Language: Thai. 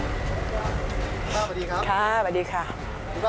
ครับสวัสดีครับสวัสดีครับครับสวัสดีครับ